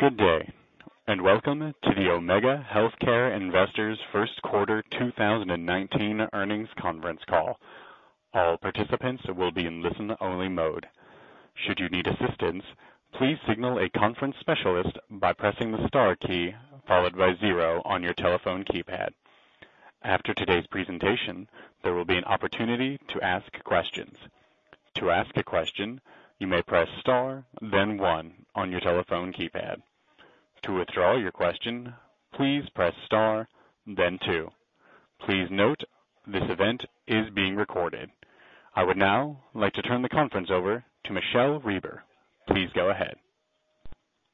Good day, and welcome to the Omega Healthcare Investors first quarter 2019 earnings conference call. All participants will be in listen-only mode. Should you need assistance, please signal a conference specialist by pressing the star key followed by zero on your telephone keypad. After today's presentation, there will be an opportunity to ask questions. To ask a question, you may press star then one on your telephone keypad. To withdraw your question, please press star then two. Please note, this event is being recorded. I would now like to turn the conference over to Michele Reber. Please go ahead.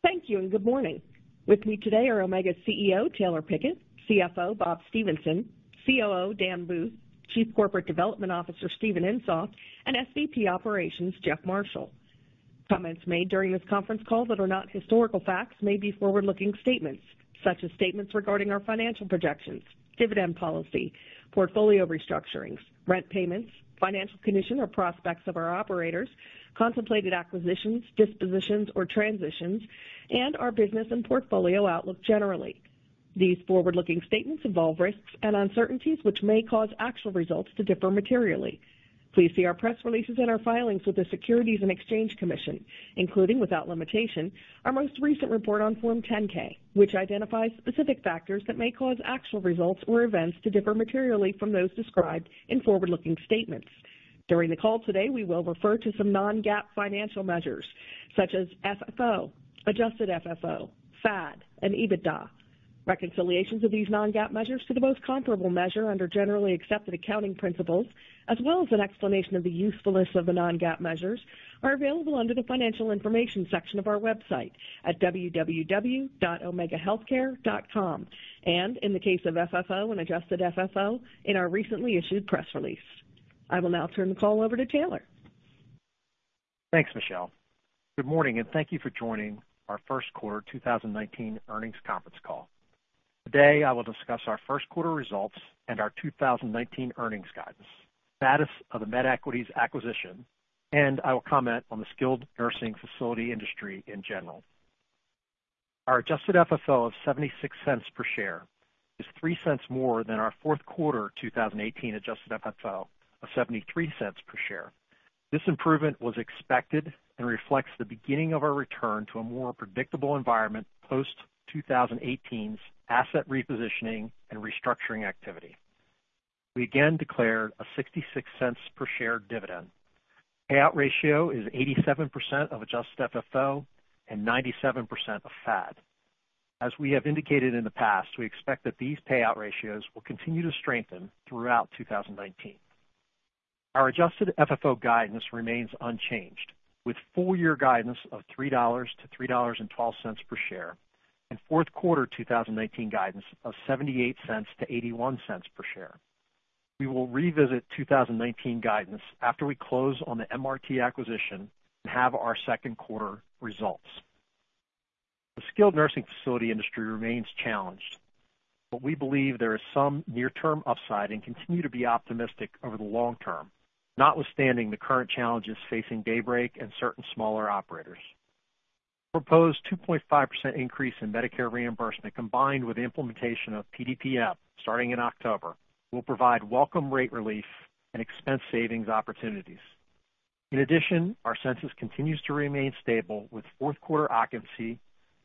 Thank you. Good morning. With me today are Omega CEO, Taylor Pickett, CFO, Bob Stephenson, COO, Dan Booth, Chief Corporate Development Officer, Steven Insoft, and SVP Operations, Jeff Marshall. Comments made during this conference call that are not historical facts may be forward-looking statements, such as statements regarding our financial projections, dividend policy, portfolio restructurings, rent payments, financial condition, or prospects of our operators, contemplated acquisitions, dispositions, or transitions, and our business and portfolio outlook generally. These forward-looking statements involve risks and uncertainties which may cause actual results to differ materially. Please see our press releases and our filings with the Securities and Exchange Commission, including, without limitation, our most recent report on Form 10-K, which identifies specific factors that may cause actual results or events to differ materially from those described in forward-looking statements. During the call today, we will refer to some non-GAAP financial measures such as FFO, Adjusted Funds From Operations, FAD, and EBITDA. Reconciliations of these non-GAAP measures to the most comparable measure under generally accepted accounting principles, as well as an explanation of the usefulness of the non-GAAP measures, are available under the Financial Information section of our website at www.omegahealthcare.com, and in the case of FFO and Adjusted Funds From Operations, in our recently issued press release. I will now turn the call over to Taylor. Thanks, Michele. Good morning. Thank you for joining our first quarter 2019 earnings conference call. Today, I will discuss our first quarter results and our 2019 earnings guidance, status of the MedEquities acquisition, and I will comment on the skilled nursing facility industry in general. Our Adjusted Funds From Operations of $0.76 per share is $0.03 more than our fourth quarter 2018 Adjusted Funds From Operations of $0.73 per share. This improvement was expected and reflects the beginning of our return to a more predictable environment post 2018's asset repositioning and restructuring activity. We again declared a $0.66 per share dividend. Payout ratio is 87% of Adjusted Funds From Operations and 97% of FAD. As we have indicated in the past, we expect that these payout ratios will continue to strengthen throughout 2019. Our adjusted FFO guidance remains unchanged, with full-year guidance of $3 to $3.12 per share and fourth quarter 2019 guidance of $0.78 to $0.81 per share. We will revisit 2019 guidance after we close on the MRT acquisition and have our second quarter results. The skilled nursing facility industry remains challenged, but we believe there is some near-term upside and continue to be optimistic over the long term, notwithstanding the current challenges facing Daybreak and certain smaller operators. Proposed 2.5% increase in Medicare reimbursement, combined with implementation of PDPM starting in October, will provide welcome rate relief and expense savings opportunities. In addition, our census continues to remain stable with fourth quarter occupancy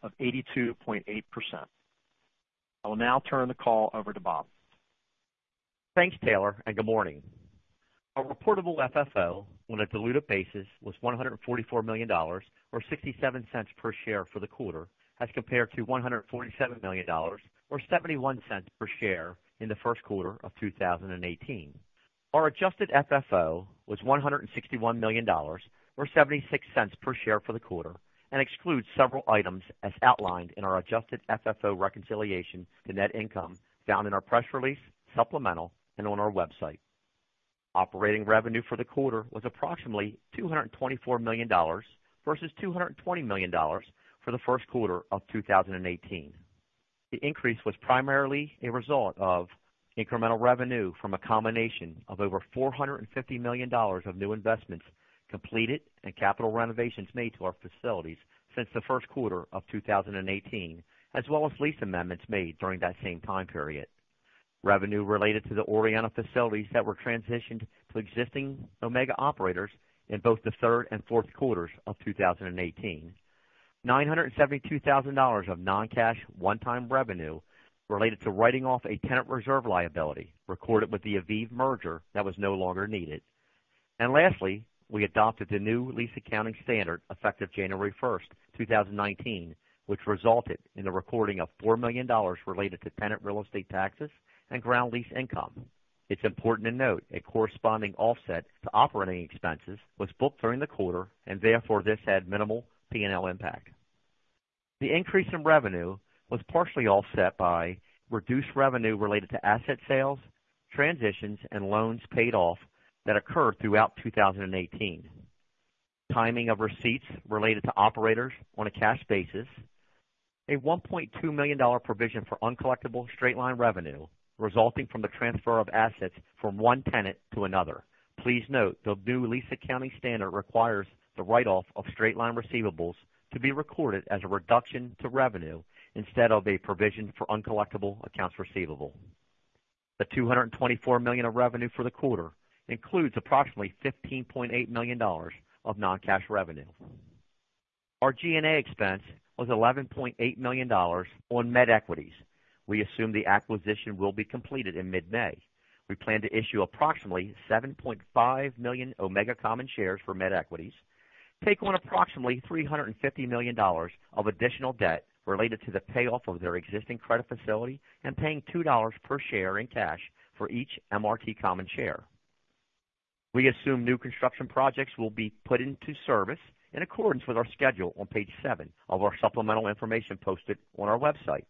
of 82.8%. I will now turn the call over to Bob. Thanks, Taylor. Good morning. Our reportable FFO on a diluted basis was $144 million, or $0.67 per share for the quarter, as compared to $147 million, or $0.71 per share in the first quarter of 2018. Our adjusted FFO was $161 million, or $0.76 per share for the quarter, and excludes several items as outlined in our adjusted FFO reconciliation to net income found in our press release, supplemental, and on our website. Operating revenue for the quarter was approximately $224 million versus $220 million for the first quarter of 2018. The increase was primarily a result of incremental revenue from a combination of over $450 million of new investments completed and capital renovations made to our facilities since the first quarter of 2018, as well as lease amendments made during that same time period. Revenue related to the Orianna facilities that were transitioned to existing Omega operators in both the third and fourth quarters of 2018. $972,000 of non-cash one-time revenue related to writing off a tenant reserve liability recorded with the Aviv merger that was no longer needed. Lastly, we adopted the new lease accounting standard effective January 1, 2019, which resulted in the recording of $4 million related to tenant real estate taxes and ground lease income. It's important to note a corresponding offset to operating expenses was booked during the quarter and therefore this had minimal P&L impact. The increase in revenue was partially offset by reduced revenue related to asset sales, transitions, and loans paid off that occurred throughout 2018. Timing of receipts related to operators on a cash basis. A $1.2 million provision for uncollectible straight-line revenue resulting from the transfer of assets from one tenant to another. Please note, the new lease accounting standard requires the write-off of straight-line receivables to be recorded as a reduction to revenue instead of a provision for uncollectible accounts receivable. The $224 million of revenue for the quarter includes approximately $15.8 million of non-cash revenue. Our G&A expense was $11.8 million on MedEquities. We assume the acquisition will be completed in mid-May. We plan to issue approximately 7.5 million Omega common shares for MedEquities, take on approximately $350 million of additional debt related to the payoff of their existing credit facility, and paying $2 per share in cash for each MRT common share. We assume new construction projects will be put into service in accordance with our schedule on page seven of our supplemental information posted on our website.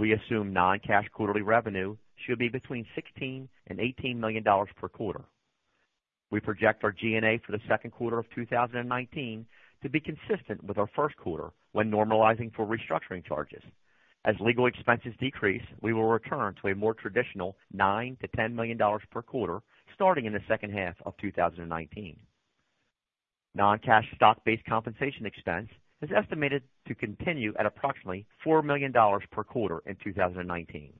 We assume non-cash quarterly revenue should be between $16 million and $18 million per quarter. We project our G&A for the second quarter of 2019 to be consistent with our first quarter when normalizing for restructuring charges. As legal expenses decrease, we will return to a more traditional $9 million-$10 million per quarter starting in the second half of 2019. Non-cash stock-based compensation expense is estimated to continue at approximately $4 million per quarter in 2019.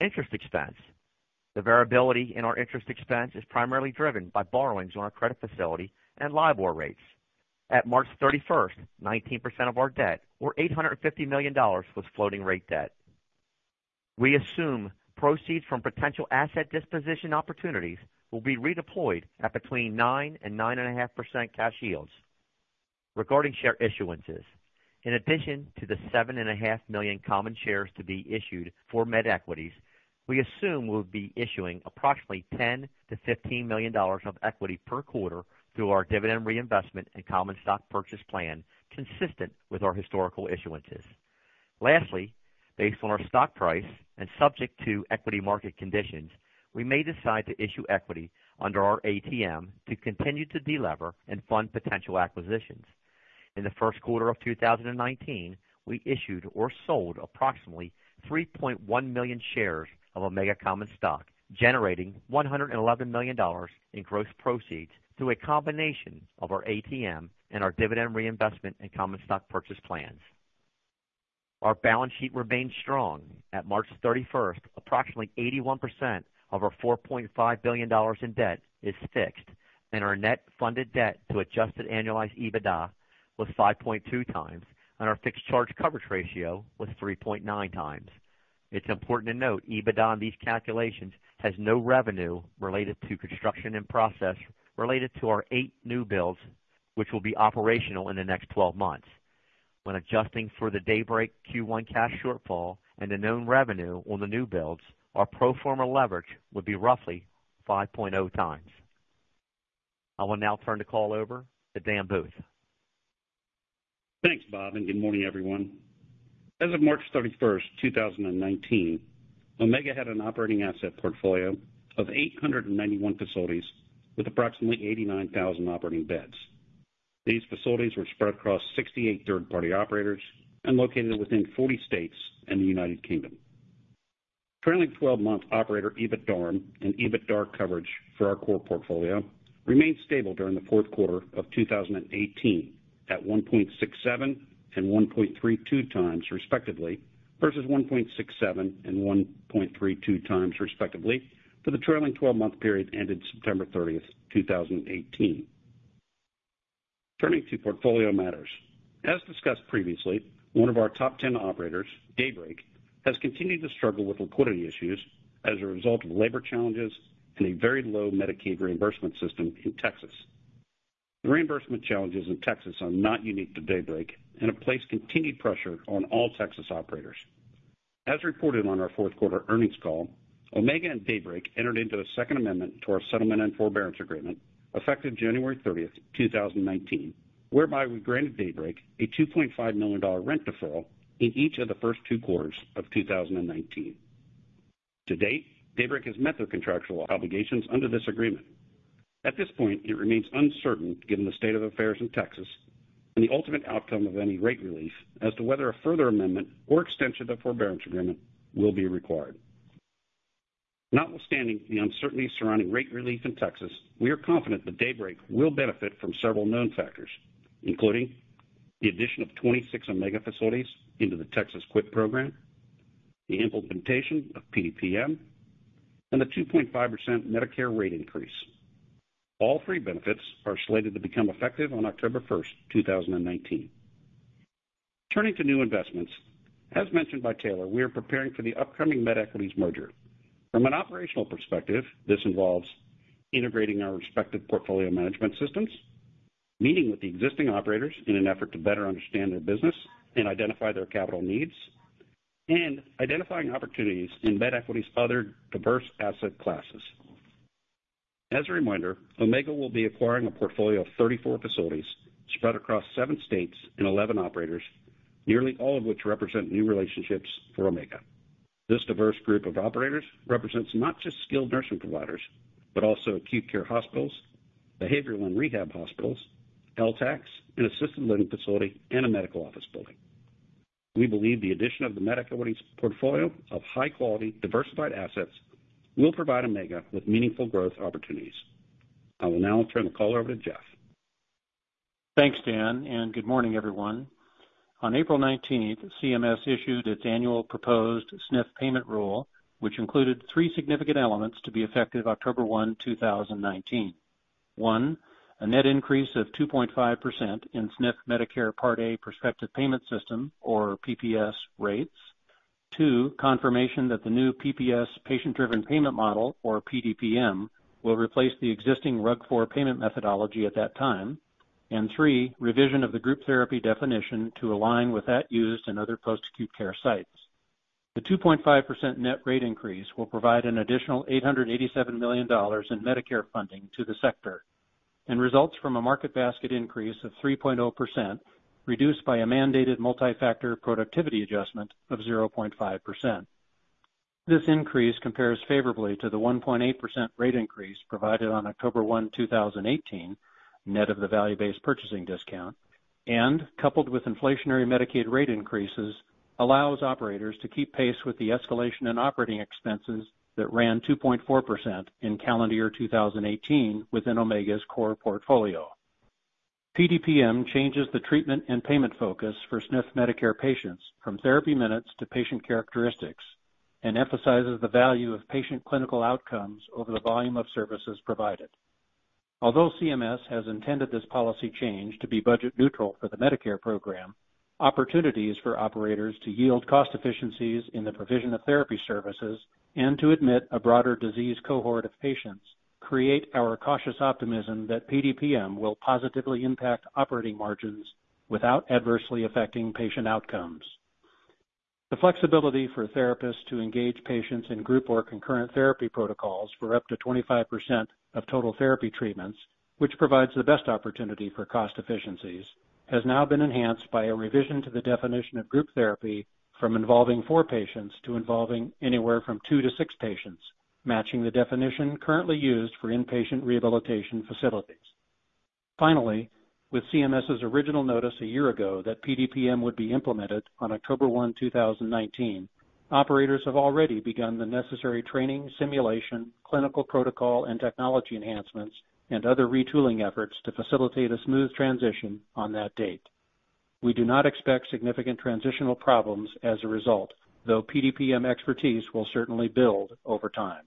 Interest expense. The variability in our interest expense is primarily driven by borrowings on our credit facility and LIBOR rates. At March 31st, 19% of our debt, or $850 million, was floating rate debt. We assume proceeds from potential asset disposition opportunities will be redeployed at between 9% and 9.5% cash yields. Regarding share issuances, in addition to the 7.5 million common shares to be issued for MedEquities, we assume we'll be issuing approximately $10 million-$15 million of equity per quarter through our dividend reinvestment and common stock purchase plan consistent with our historical issuances. Lastly, based on our stock price and subject to equity market conditions, we may decide to issue equity under our ATM to continue to de-lever and fund potential acquisitions. In the first quarter of 2019, we issued or sold approximately 3.1 million shares of Omega common stock, generating $111 million in gross proceeds through a combination of our ATM and our dividend reinvestment and common stock purchase plans. Our balance sheet remains strong. At March 31st, approximately 81% of our $4.5 billion in debt is fixed, and our net funded debt to adjusted annualized EBITDA was 5.2 times, and our fixed charge coverage ratio was 3.9 times. It's important to note, EBITDA in these calculations has no revenue related to construction and process related to our eight new builds, which will be operational in the next 12 months. When adjusting for the Daybreak Q1 cash shortfall and the known revenue on the new builds, our pro forma leverage would be roughly 5.0 times. I will now turn the call over to Dan Booth. Thanks, Bob, and good morning, everyone. As of March 31st, 2019, Omega had an operating asset portfolio of 891 facilities with approximately 89,000 operating beds. These facilities were spread across 68 third-party operators and located within 40 states and the United Kingdom. Trailing 12-month operator EBITDARM and EBITDA coverage for our core portfolio remained stable during the fourth quarter of 2018 at 1.67 and 1.32 times respectively, versus 1.67 and 1.32 times respectively for the trailing 12-month period ended September 30th, 2018. Turning to portfolio matters. As discussed previously, one of our top ten operators, Daybreak, has continued to struggle with liquidity issues as a result of labor challenges and a very low Medicaid reimbursement system in Texas. The reimbursement challenges in Texas are not unique to Daybreak and have placed continued pressure on all Texas operators. As reported on our fourth quarter earnings call, Omega and Daybreak entered into a second amendment to our settlement and forbearance agreement effective January 30, 2019, whereby we granted Daybreak a $2.5 million rent deferral in each of the first two quarters of 2019. To date, Daybreak has met the contractual obligations under this agreement. At this point, it remains uncertain given the state of affairs in Texas and the ultimate outcome of any rate relief as to whether a further amendment or extension of the forbearance agreement will be required. Notwithstanding the uncertainty surrounding rate relief in Texas, we are confident that Daybreak will benefit from several known factors, including the addition of 26 Omega facilities into the Texas QIP program, the implementation of PDPM, and a 2.5% Medicare rate increase. All three benefits are slated to become effective on October 1, 2019. Turning to new investments. As mentioned by Taylor, we are preparing for the upcoming MedEquities merger. From an operational perspective, this involves integrating our respective portfolio management systems, meeting with the existing operators in an effort to better understand their business and identify their capital needs, and identifying opportunities in MedEquities' other diverse asset classes. As a reminder, Omega will be acquiring a portfolio of 34 facilities spread across seven states and 11 operators, nearly all of which represent new relationships for Omega. This diverse group of operators represents not just skilled nursing providers, but also acute care hospitals, behavioral and rehab hospitals, LTACs, an assisted living facility, and a medical office building. We believe the addition of the MedEquities' portfolio of high-quality, diversified assets will provide Omega with meaningful growth opportunities. I will now turn the call over to Jeff. Thanks, Dan. Good morning, everyone. On April 19, CMS issued its annual proposed SNF payment rule, which included three significant elements to be effective October 1, 2019. One, a net increase of 2.5% in SNF Medicare Part A prospective payment system or PPS rates. Two, confirmation that the new PPS Patient Driven Payment Model or PDPM will replace the existing RUG-IV payment methodology at that time. Three, revision of the group therapy definition to align with that used in other post-acute care sites. The 2.5% net rate increase will provide an additional $887 million in Medicare funding to the sector and results from a market basket increase of 3.0%, reduced by a mandated multi-factor productivity adjustment of 0.5%. This increase compares favorably to the 1.8% rate increase provided on October 1, 2018, net of the value-based purchasing discount, and coupled with inflationary Medicaid rate increases, allows operators to keep pace with the escalation in operating expenses that ran 2.4% in calendar year 2018 within Omega's core portfolio. PDPM changes the treatment and payment focus for SNF Medicare patients from therapy minutes to patient characteristics and emphasizes the value of patient clinical outcomes over the volume of services provided. Although CMS has intended this policy change to be budget neutral for the Medicare program, opportunities for operators to yield cost efficiencies in the provision of therapy services and to admit a broader disease cohort of patients create our cautious optimism that PDPM will positively impact operating margins without adversely affecting patient outcomes. The flexibility for therapists to engage patients in group or concurrent therapy protocols for up to 25% of total therapy treatments, which provides the best opportunity for cost efficiencies, has now been enhanced by a revision to the definition of group therapy from involving four patients to involving anywhere from two to six patients, matching the definition currently used for inpatient rehabilitation facilities. Finally, with CMS's original notice one year ago that PDPM would be implemented on October 1, 2019, operators have already begun the necessary training, simulation, clinical protocol, and technology enhancements and other retooling efforts to facilitate a smooth transition on that date. We do not expect significant transitional problems as a result, though PDPM expertise will certainly build over time.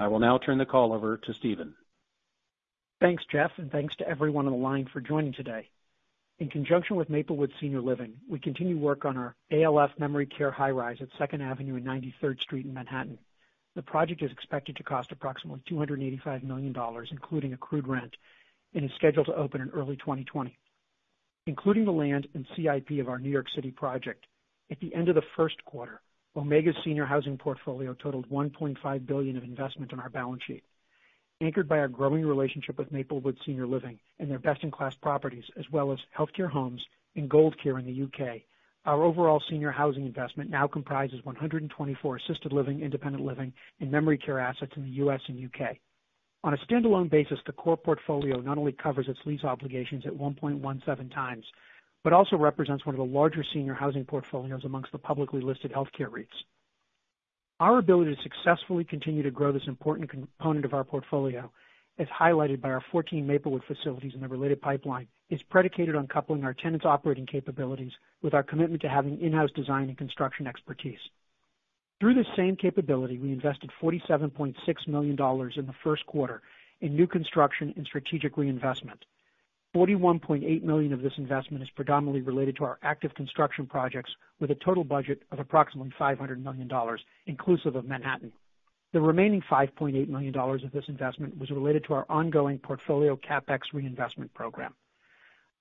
I will now turn the call over to Steven. Thanks, Jeff, and thanks to everyone on the line for joining today. In conjunction with Maplewood Senior Living, we continue work on our ALF memory care high rise at Second Avenue and 93rd Street in Manhattan. The project is expected to cost approximately $285 million, including accrued rent, and is scheduled to open in early 2020. Including the land and CIP of our New York City project, at the end of the first quarter, Omega's senior housing portfolio totaled $1.5 billion of investment on our balance sheet. Anchored by our growing relationship with Maplewood Senior Living and their best-in-class properties as well as Healthcare Homes and Gold Care in the U.K., our overall senior housing investment now comprises 124 assisted living, independent living, and memory care assets in the U.S. and U.K. On a standalone basis, the core portfolio not only covers its lease obligations at 1.17 times but also represents one of the larger senior housing portfolios amongst the publicly listed healthcare REITs. Our ability to successfully continue to grow this important component of our portfolio is highlighted by our 14 Maplewood facilities, and the related pipeline is predicated on coupling our tenants' operating capabilities with our commitment to having in-house design and construction expertise. Through this same capability, we invested $47.6 million in the first quarter in new construction and strategic reinvestment. $41.8 million of this investment is predominantly related to our active construction projects, with a total budget of approximately $500 million, inclusive of Manhattan. The remaining $5.8 million of this investment was related to our ongoing portfolio CapEx reinvestment program.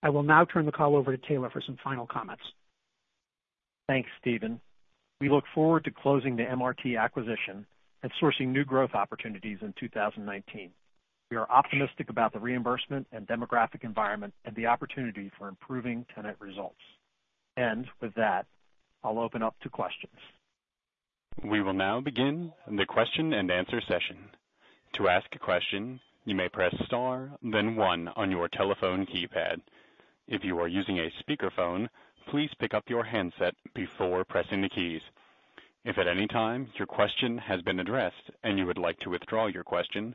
I will now turn the call over to Taylor for some final comments. Thanks, Steven. We look forward to closing the MRT acquisition and sourcing new growth opportunities in 2019. We are optimistic about the reimbursement and demographic environment and the opportunity for improving tenant results. With that, I'll open up to questions. We will now begin the question and answer session. To ask a question, you may press Star, then One on your telephone keypad. If you are using a speakerphone, please pick up your handset before pressing the keys. If at any time your question has been addressed and you would like to withdraw your question,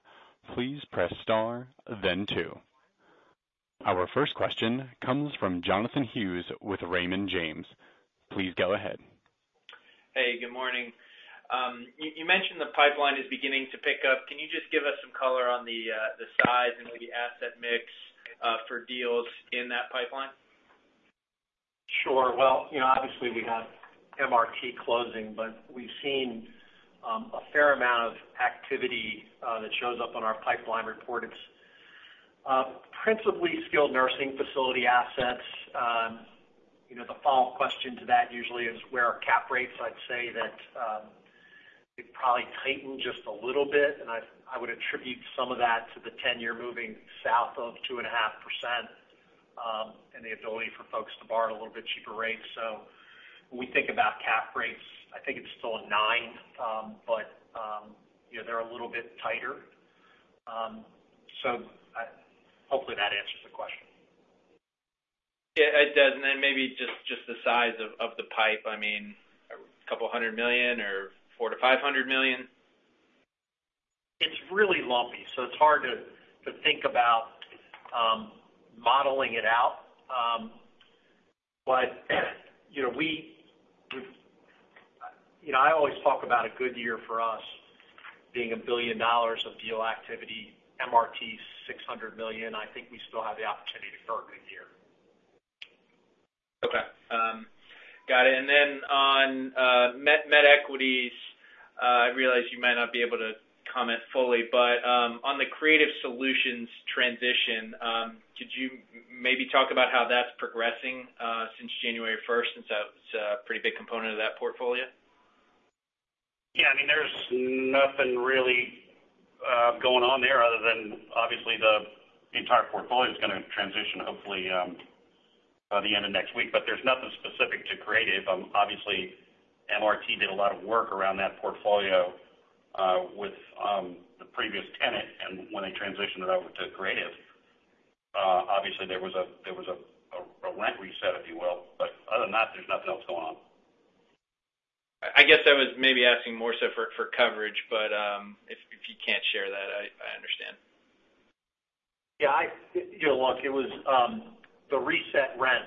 please press Star, then Two. Our first question comes from Jonathan Hughes with Raymond James. Please go ahead. Hey, good morning. You mentioned the pipeline is beginning to pick up. Can you just give us some color on the size and maybe asset mix for deals in that pipeline? Sure. Well, obviously, we have MRT closing, but we've seen a fair amount of activity that shows up on our pipeline report. It's principally skilled nursing facility assets. The follow-up question to that usually is where are cap rates? I'd say that It probably tightened just a little bit, I would attribute some of that to the 10-year moving south of 2.5%, and the ability for folks to borrow at little bit cheaper rates. When we think about cap rates, I think it's still a nine, but they're a little bit tighter. Hopefully that answers the question. Yeah, it does. Then maybe just the size of the pipe. A couple hundred million or $400 million-$500 million? It's really lumpy, it's hard to think about modeling it out. I always talk about a good year for us being $1 billion of deal activity, MRT $600 million. I think we still have the opportunity for a good year. Okay. Got it. Then on MedEquities, I realize you might not be able to comment fully, on the Creative Solutions transition, could you maybe talk about how that's progressing since January 1st, since that was a pretty big component of that portfolio? There's nothing really going on there other than obviously the entire portfolio's going to transition hopefully by the end of next week. There's nothing specific to Creative. Obviously MRT did a lot of work around that portfolio with the previous tenant and when they transitioned it over to Creative. Obviously there was a rent reset, if you will, other than that, there's nothing else going on. I guess I was maybe asking more so for coverage. If you can't share that, I understand. Yeah. Look, it was the reset rent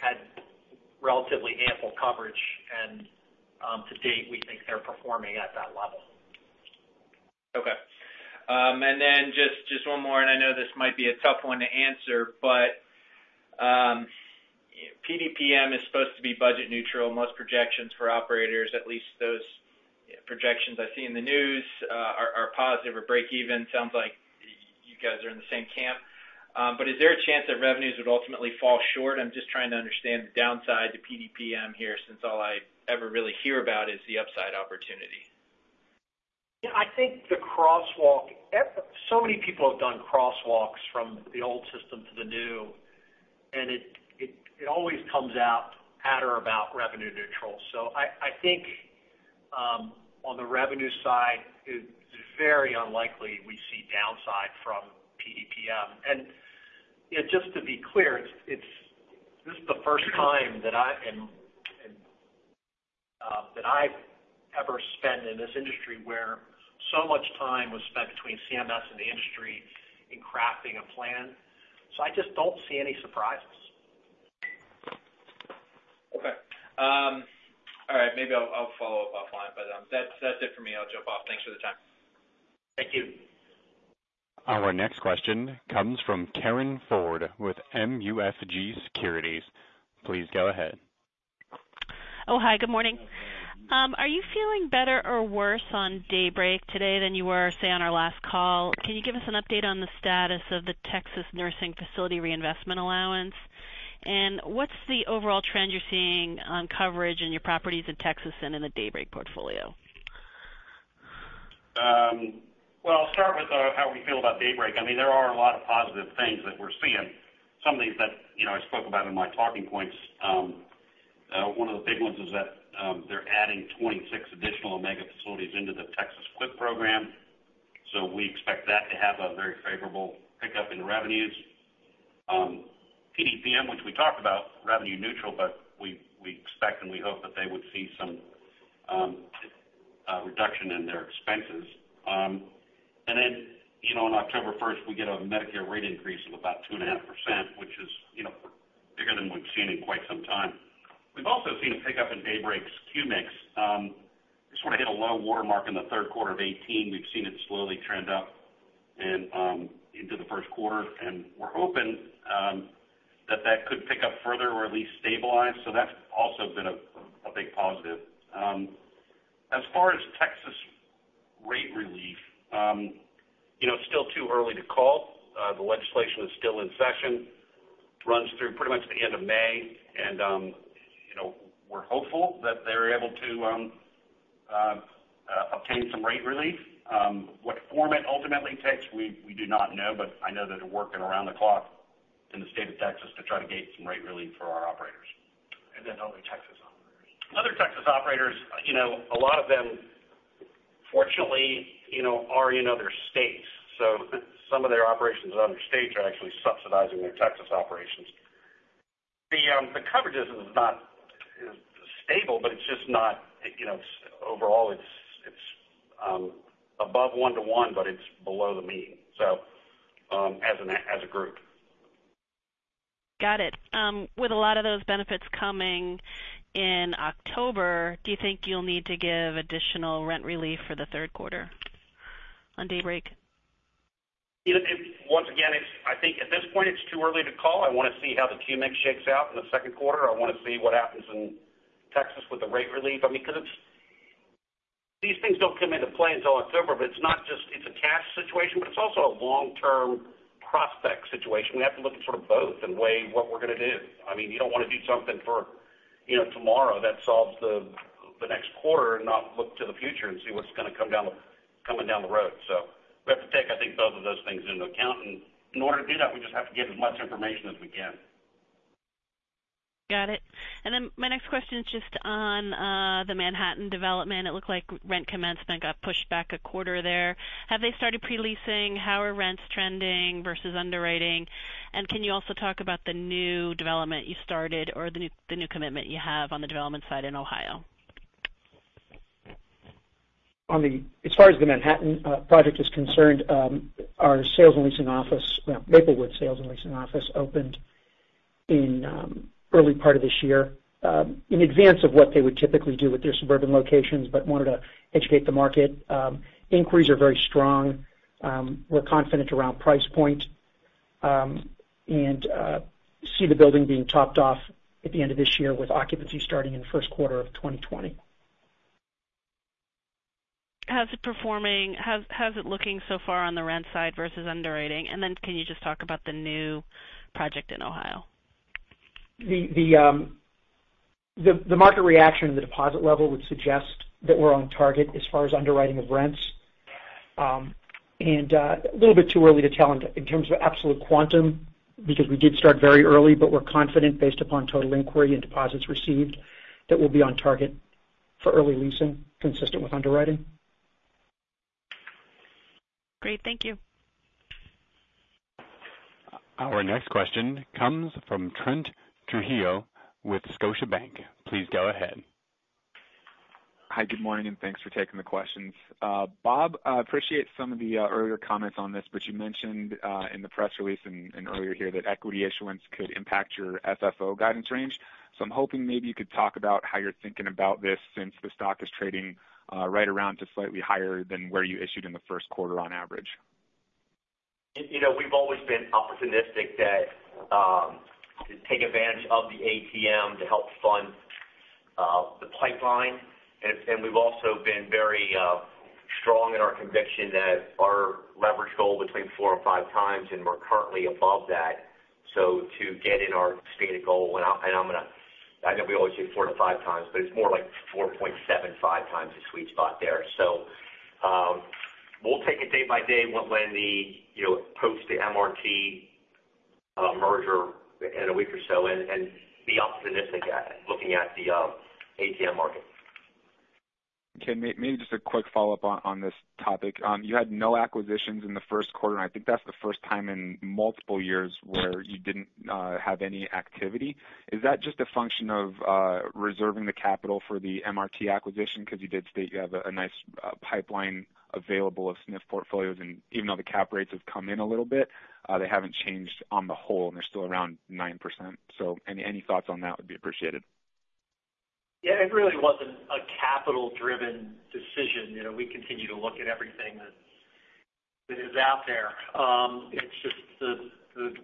had relatively ample coverage and to date, we think they're performing at that level. Okay. Just one more. I know this might be a tough one to answer. PDPM is supposed to be budget neutral. Most projections for operators, at least those projections I see in the news, are positive or break even. Sounds like you guys are in the same camp. Is there a chance that revenues would ultimately fall short? I'm just trying to understand the downside to PDPM here, since all I ever really hear about is the upside opportunity. Yeah, I think the crosswalk. Many people have done crosswalks from the old system to the new, and it always comes out at or about revenue neutral. I think on the revenue side, it's very unlikely we see downside from PDPM. Just to be clear, this is the first time that I've ever spent in this industry where so much time was spent between CMS and the industry in crafting a plan. I just don't see any surprises. Okay. All right. Maybe I'll follow up offline, but that's it for me. I'll jump off. Thanks for the time. Thank you. Our next question comes from Karin Ford with MUFG Securities. Please go ahead. Oh, hi. Good morning. Good morning. Are you feeling better or worse on Daybreak today than you were, say, on our last call? Can you give us an update on the status of the Texas Nursing Facility Reinvestment Allowance? What's the overall trend you're seeing on coverage in your properties in Texas and in the Daybreak portfolio? Well, I'll start with how we feel about Daybreak. There are a lot of positive things that we're seeing. Some of these that I spoke about in my talking points. One of the big ones is that they're adding 26 additional Omega facilities into the Texas QIP program, we expect that to have a very favorable pickup in revenues. PDPM, which we talked about, revenue neutral, we expect and we hope that they would see some reduction in their expenses. On October 1st, we get a Medicare rate increase of about 2.5%, which is bigger than we've seen in quite some time. We've also seen a pickup in Daybreak's Q-mix. It sort of hit a low watermark in the third quarter of 2018. We've seen it slowly trend up and into the first quarter. We're hoping that that could pick up further or at least stabilize. That's also been a big positive. As far as Texas rate relief, it's still too early to call. The legislation is still in session. Runs through pretty much the end of May. We're hopeful that they're able to obtain some rate relief. What form it ultimately takes, we do not know, but I know that they're working around the clock in the state of Texas to try to get some rate relief for our operators. Other Texas operators. Other Texas operators, a lot of them, fortunately, are in other states. Some of their operations in other states are actually subsidizing their Texas operations. The coverage is not stable, but overall it's above 1 to 1, but it's below the mean as a group. Got it. With a lot of those benefits coming in October, do you think you'll need to give additional rent relief for the third quarter on Daybreak? Once again, I think at this point, it's too early to call. I want to see how the Q-mix shakes out in the second quarter. I want to see what happens in Texas with the rate relief, because these things don't come into play until October, but it's a cash situation, but it's also a long-term. Situation, we have to look at both and weigh what we're going to do. You don't want to do something for tomorrow that solves the next quarter and not look to the future and see what's going to coming down the road. We have to take, I think, both of those things into account. In order to do that, we just have to get as much information as we can. Got it. Then my next question is just on the Manhattan development. It looked like rent commencement got pushed back a quarter there. Have they started pre-leasing? How are rents trending versus underwriting? Can you also talk about the new development you started or the new commitment you have on the development side in Ohio? As far as the Manhattan project is concerned, our Maplewood sales and leasing office opened in early part of this year, in advance of what they would typically do with their suburban locations, wanted to educate the market. Inquiries are very strong. We're confident around price point, see the building being topped off at the end of this year with occupancy starting in the first quarter of 2020. How's it looking so far on the rent side versus underwriting? Can you just talk about the new project in Ohio? The market reaction at the deposit level would suggest that we're on target as far as underwriting of rents. A little bit too early to tell in terms of absolute quantum, because we did start very early, but we're confident based upon total inquiry and deposits received, that we'll be on target for early leasing consistent with underwriting. Great. Thank you. Our next question comes from Trent Trujillo with Scotiabank. Please go ahead. Hi, good morning, and thanks for taking the questions. Bob, appreciate some of the earlier comments on this. You mentioned in the press release and earlier here that equity issuance could impact your FFO guidance range. I'm hoping maybe you could talk about how you're thinking about this since the stock is trading right around to slightly higher than where you issued in the first quarter on average. We've always been opportunistic to take advantage of the ATM to help fund the pipeline. We've also been very strong in our conviction that our leverage goal between four and five times, and we're currently above that. To get in our stated goal, I know we always say four to five times, it's more like 4.75 times the sweet spot there. We'll take it day by day when post the MRT merger in a week or so and be optimistic at looking at the ATM market. Okay. Maybe just a quick follow-up on this topic. You had no acquisitions in the first quarter, I think that's the first time in multiple years where you didn't have any activity. Is that just a function of reserving the capital for the MRT acquisition? You did state you have a nice pipeline available of SNF portfolios, and even though the cap rates have come in a little bit, they haven't changed on the whole, and they're still around 9%. Any thoughts on that would be appreciated. Yeah, it really wasn't a capital-driven decision. We continue to look at everything that is out there. It's just the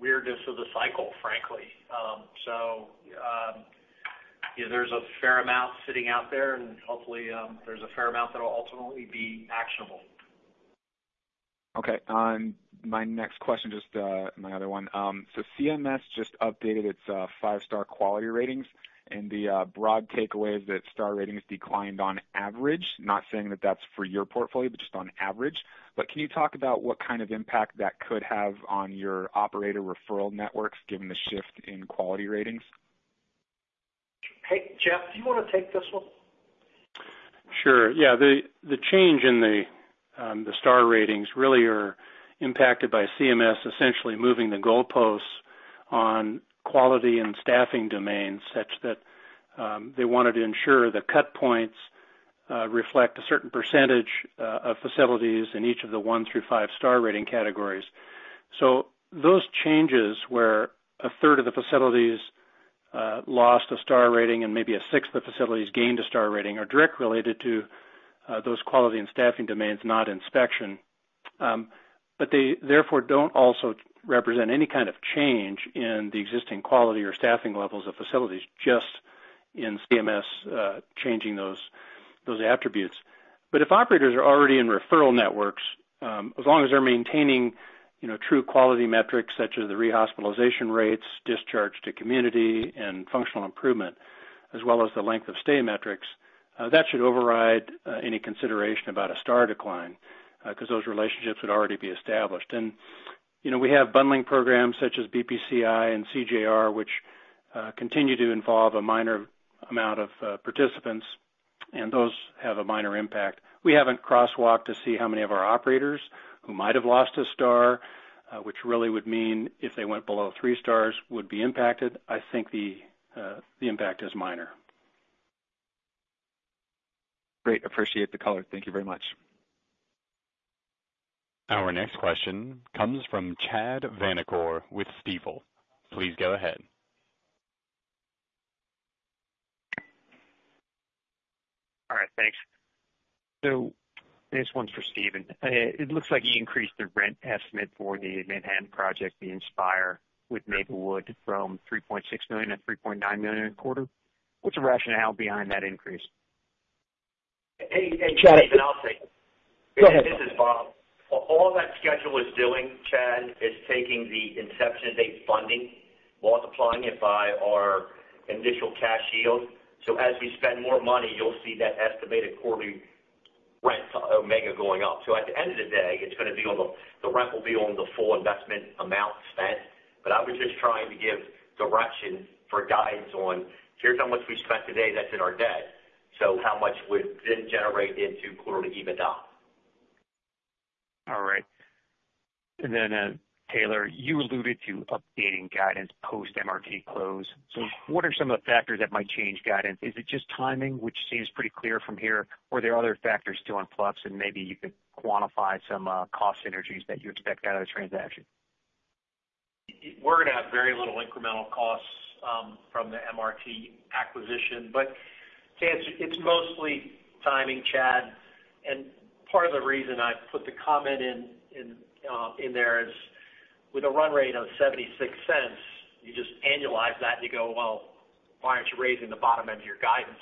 weirdness of the cycle, frankly. There's a fair amount sitting out there and hopefully, there's a fair amount that'll ultimately be actionable. My next question, just my other one. CMS just updated its five-star quality ratings, and the broad takeaway is that star ratings declined on average, not saying that that's for your portfolio, but just on average. Can you talk about what kind of impact that could have on your operator referral networks given the shift in quality ratings? Hey, Jeff, do you want to take this one? Sure. Yeah, the change in the star ratings really are impacted by CMS essentially moving the goalposts on quality and staffing domains such that they wanted to ensure the cut points reflect a certain percentage of facilities in each of the one through five-star rating categories. Those changes, where a third of the facilities lost a star rating and maybe a sixth of facilities gained a star rating, are direct related to those quality and staffing domains, not inspection. They therefore don't also represent any kind of change in the existing quality or staffing levels of facilities, just in CMS changing those attributes. If operators are already in referral networks, as long as they're maintaining true quality metrics such as the rehospitalization rates, discharge to community, and functional improvement, as well as the length of stay metrics, that should override any consideration about a star decline, because those relationships would already be established. We have bundling programs such as BPCI and CJR, which continue to involve a minor amount of participants, and those have a minor impact. We haven't crosswalked to see how many of our operators who might have lost a star, which really would mean if they went below three stars, would be impacted. I think the impact is minor. Great. Appreciate the color. Thank you very much. Our next question comes from Chad Vanacore with Stifel. Please go ahead. All right. Thanks. This one's for Steven. It looks like you increased the rent estimate for the Manhattan project, the Inspīr with Maplewood, from $3.6 million to $3.9 million a quarter. What's the rationale behind that increase? Hey, Chad. I'll say. Go ahead. This is Bob. All that schedule is doing, Chad, is taking the inception date funding, multiplying it by our initial cash yield. As we spend more money, you'll see that estimated quarterly rent Omega going up. At the end of the day, the rent will be on the full investment amount spent. I was just trying to give direction for guides on here's how much we spent today, that's in our debt. How much would this generate into quarterly EBITDA? All right. Then, Taylor, you alluded to updating guidance post MRT close. What are some of the factors that might change guidance? Is it just timing, which seems pretty clear from here? Are there other factors still in flux, and maybe you could quantify some cost synergies that you expect out of the transaction? We're going to have very little incremental costs from the MRT acquisition. It's mostly timing, Chad, and part of the reason I put the comment in there is with a run rate of $0.76, you just annualize that and you go, "Well, why aren't you raising the bottom end of your guidance?"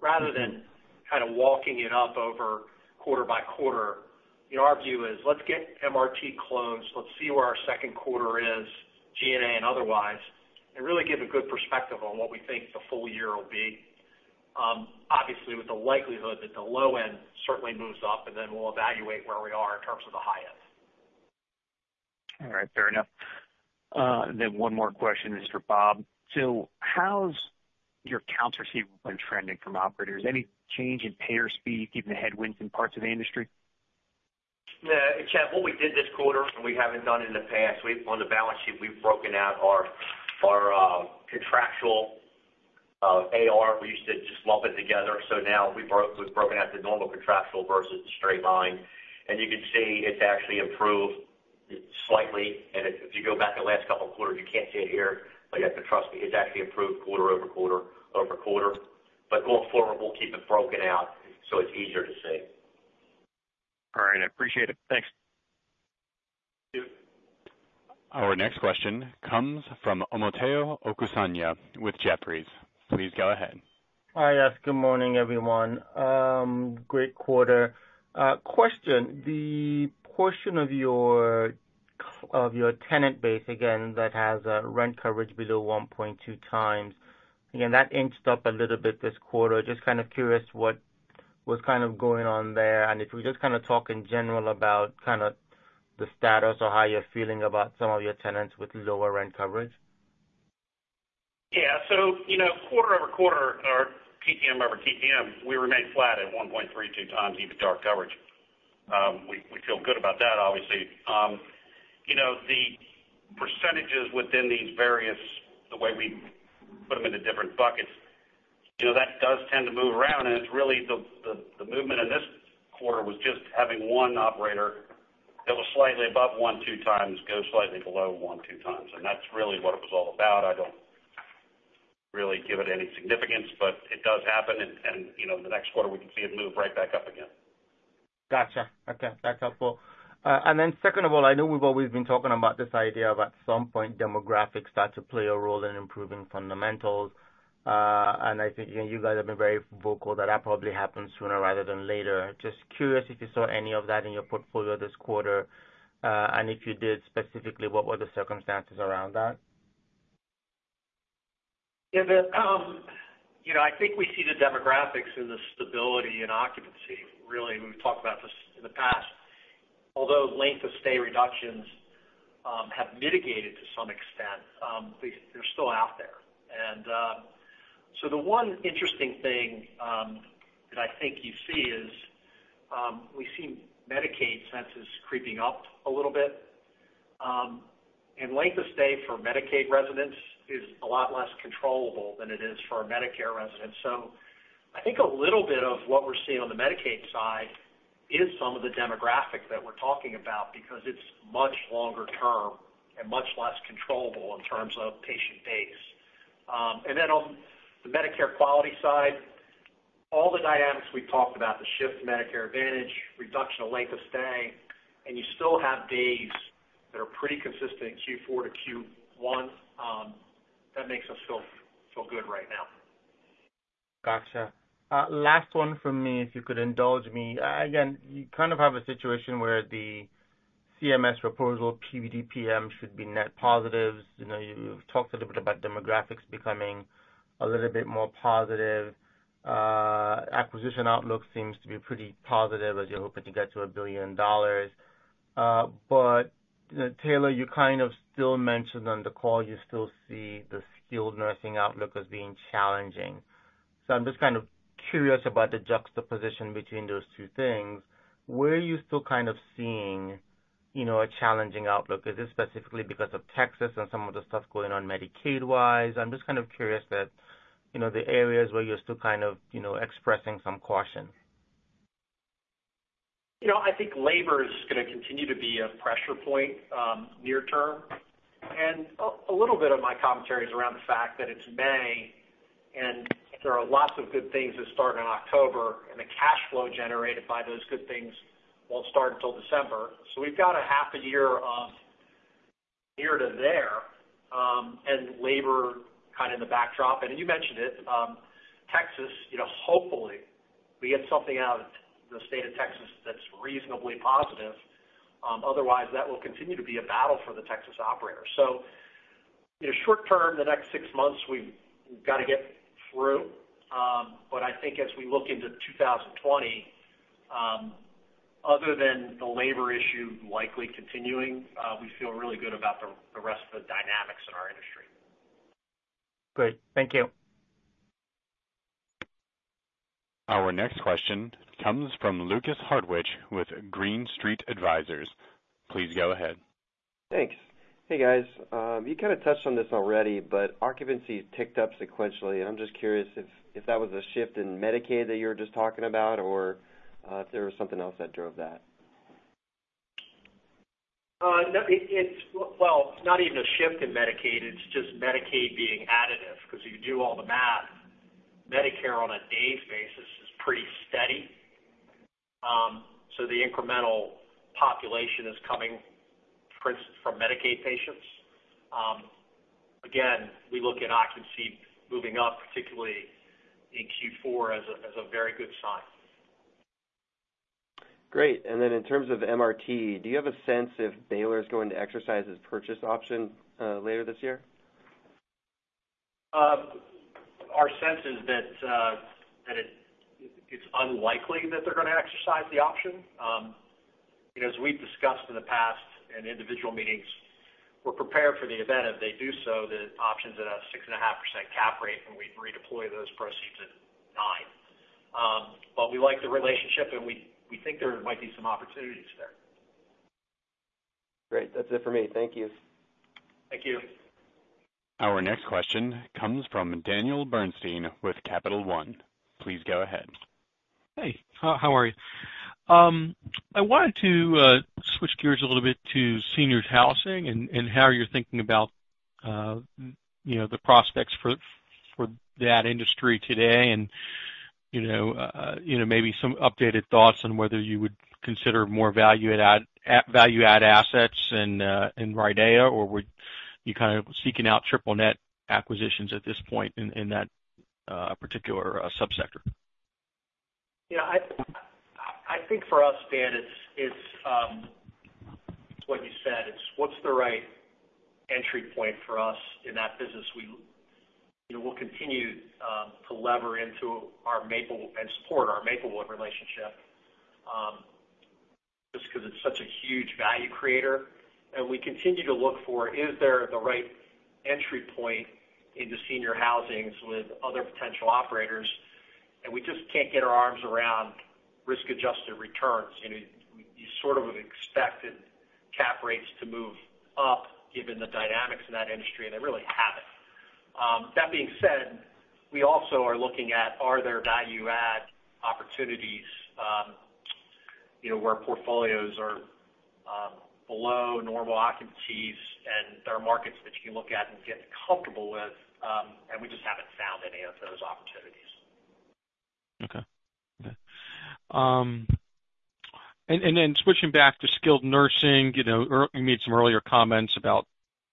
Rather than kind of walking it up over quarter by quarter, our view is, let's get MRT closed, let's see where our second quarter is, G&A and otherwise, and really give a good perspective on what we think the full year will be. Obviously, with the likelihood that the low end certainly moves up, and then we'll evaluate where we are in terms of the high end. All right, fair enough. One more question is for Bob Stephenson. How's your accounts receivable been trending from operators? Any change in payer speed, given the headwinds in parts of the industry? Chad, what we did this quarter, and we haven't done in the past, on the balance sheet, we've broken out our contractual AR. We used to just lump it together. Now we've broken out the normal contractual versus the straight line. You can see it's actually improved slightly. If you go back the last couple of quarters, you can't see it here, but you have to trust me, it's actually improved quarter over quarter over quarter. Going forward, we'll keep it broken out so it's easier to see. All right, I appreciate it. Thanks. Thank you. Our next question comes from Omotayo Okusanya with Jefferies. Please go ahead. Hi. Yes, good morning, everyone. Great quarter. Question, the portion of your tenant base, again, that has rent coverage below 1.2 times, again, that inched up a little bit this quarter. Just kind of curious what was going on there, if we just talk in general about the status or how you're feeling about some of your tenants with lower rent coverage. Yeah. Quarter-over-quarter or TTM-over-TTM, we remain flat at 1.32 times EBITDA coverage. We feel good about that, obviously. The percentages within the way we put them into different buckets, that does tend to move around, it's really the movement in this quarter was just having one operator that was slightly above 1.2 times go slightly below .2 times, that's really what it was all about. I don't really give it any significance, but it does happen, and in the next quarter, we can see it move right back up again. Got you. Okay, that's helpful. Then second of all, I know we've always been talking about this idea of at some point, demographics start to play a role in improving fundamentals. I think you guys have been very vocal that that probably happens sooner rather than later. Just curious if you saw any of that in your portfolio this quarter. If you did, specifically, what were the circumstances around that? I think we see the demographics and the stability in occupancy, really, we've talked about this in the past. Although length of stay reductions have mitigated to some extent, they're still out there. The one interesting thing that I think you see is, we see Medicaid census creeping up a little bit. Length of stay for Medicaid residents is a lot less controllable than it is for our Medicare residents. I think a little bit of what we're seeing on the Medicaid side is some of the demographics that we're talking about because it's much longer term and much less controllable in terms of patient base. On the Medicare quality side, all the dynamics we talked about, the shift to Medicare Advantage, reduction of length of stay, you still have days that are pretty consistent in Q4 to Q1. That makes us feel good right now. Got you. Last one from me, if you could indulge me. Again, you kind of have a situation where the CMS proposal, PDPM should be net positives. You've talked a little bit about demographics becoming a little bit more positive. Acquisition outlook seems to be pretty positive as you're hoping to get to $1 billion. Taylor, you kind of still mentioned on the call, you still see the skilled nursing outlook as being challenging. I'm just kind of curious about the juxtaposition between those two things. Where are you still kind of seeing a challenging outlook? Is this specifically because of Texas and some of the stuff going on Medicaid-wise? I'm just kind of curious that the areas where you're still expressing some caution. I think labor is going to continue to be a pressure point near-term. A little bit of my commentary is around the fact that it's May, there are lots of good things that start in October, the cash flow generated by those good things won't start until December. We've got a half a year of here to there, labor kind of the backdrop. You mentioned it, Texas, hopefully we get something out of the state of Texas that's reasonably positive. Otherwise, that will continue to be a battle for the Texas operators. Short term, the next six months, we've got to get through. I think as we look into 2020, other than the labor issue likely continuing, we feel really good about the rest of the dynamics in our industry. Great. Thank you. Our next question comes from Lukas Hartwich with Green Street Advisors. Please go ahead. Thanks. Hey, guys. You kind of touched on this already, but occupancy ticked up sequentially, and I'm just curious if that was a shift in Medicaid that you were just talking about, or if there was something else that drove that. Well, it's not even a shift in Medicaid, it's just Medicaid being additive, because if you do all the math, Medicare on a days basis is pretty steady. The incremental population is coming, for instance, from Medicaid patients. Again, we look at occupancy moving up, particularly in Q4, as a very good sign. Great. In terms of MRT, do you have a sense if Baylor is going to exercise its purchase option later this year? Our sense is that it's unlikely that they're going to exercise the option. As we've discussed in the past in individual meetings, we're prepared for the event if they do so, the option's at a 6.5% cap rate, and we'd redeploy those proceeds at nine. We like the relationship, and we think there might be some opportunities there. Great. That's it for me. Thank you. Thank you. Our next question comes from Daniel Bernstein with Capital One. Please go ahead. Hey, how are you? I wanted to switch gears a little bit to seniors housing and how you're thinking about the prospects for that industry today, and maybe some updated thoughts on whether you would consider more value-add assets in RIDEA, or would you kind of seeking out triple net acquisitions at this point in that particular subsector? I think for us, Dan, it's what you said, it's what's the right entry point for us in that business. We'll continue to lever into and support our Maplewood relationship, just because it's such a huge value creator, and we continue to look for, is there the right entry point into senior housings with other potential operators? We just can't get our arms around risk-adjusted returns. You sort of expected cap rates to move up given the dynamics in that industry, and they really haven't. That being said, we also are looking at are there value add opportunities where portfolios are below normal occupancies and there are markets that you can look at and get comfortable with, and we just haven't found any of those opportunities. Okay. Then switching back to skilled nursing, you made some earlier comments about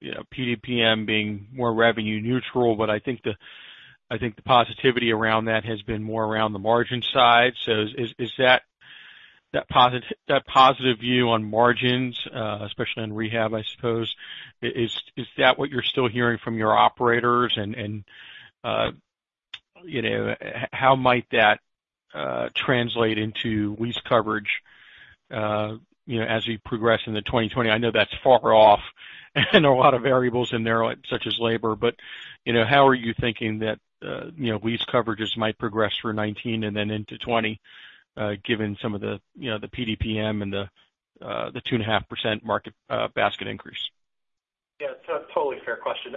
PDPM being more revenue neutral, but I think the positivity around that has been more around the margin side. Is that positive view on margins, especially on rehab, I suppose, is that what you're still hearing from your operators? How might that translate into lease coverage as we progress into 2020? I know that's far off and there are a lot of variables in there, such as labor, but how are you thinking that lease coverages might progress through 2019 and then into 2020, given some of the PDPM and the 2.5% market basket increase? Yeah, totally fair question.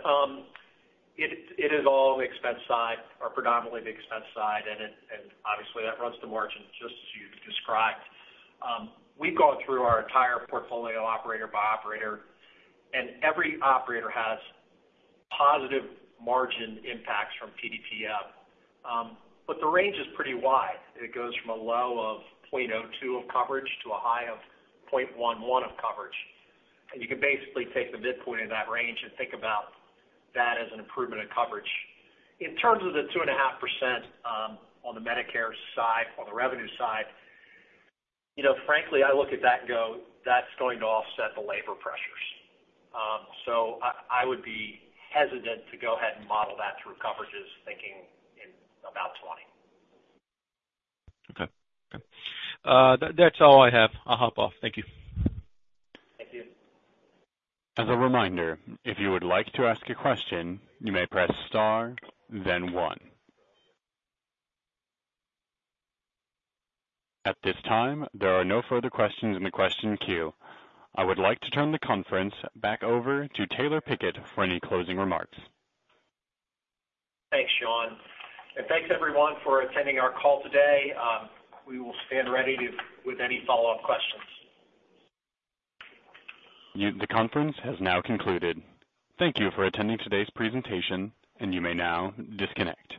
It is all the expense side or predominantly the expense side, and obviously that runs the margin just as you described. We've gone through our entire portfolio operator by operator, and every operator has positive margin impacts from PDPM. The range is pretty wide. It goes from a low of 0.02 of coverage to a high of 0.11 of coverage. You can basically take the midpoint of that range and think about that as an improvement in coverage. In terms of the 2.5% on the Medicare side, on the revenue side, frankly, I look at that and go, that's going to offset the labor pressures. I would be hesitant to go ahead and model that through coverages thinking in about 2020. Okay. That's all I have. I'll hop off. Thank you. Thank you. As a reminder, if you would like to ask a question, you may press star then one. At this time, there are no further questions in the question queue. I would like to turn the conference back over to Taylor Pickett for any closing remarks. Thanks, Sean. Thanks everyone for attending our call today. We will stand ready with any follow-up questions. The conference has now concluded. Thank you for attending today's presentation, and you may now disconnect.